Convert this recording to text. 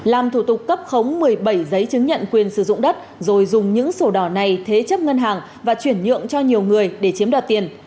làm thủ tục cấp khống một mươi bảy giấy chứng nhận quyền sử dụng đất rồi dùng những sổ đỏ này thế chấp ngân hàng và chuyển nhượng cho nhiều người để chiếm đoạt tiền